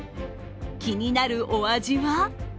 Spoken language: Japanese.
気になるお味は？